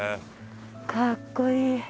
かっこいい。